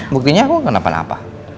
buktinya aku kenapa napa